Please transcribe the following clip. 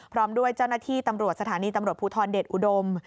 พร้อมด้วยเจ้าหน้าที่ตำรวจสถานีตำรวจภูทรเดชอุดม